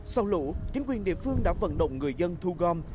sau lũ chính quyền địa phương đã vận động người dân thu gom